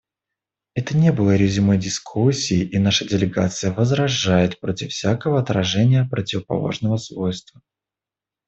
Это не было резюме дискуссии, и наша делегация возражает против всякого отражения противоположного свойства.